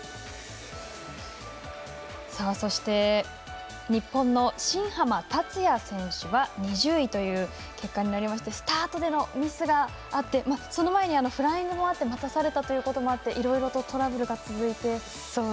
そして日本の新濱立也選手は２０位という結果になりましてスタートでのミスがあってその前に、フライングもあって待たされたこともあっていろいろとトラブルが続いて。